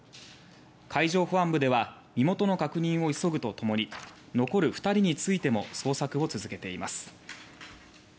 海上保安部では身元の確認を急ぐとともに残る２人についても捜索を続けています。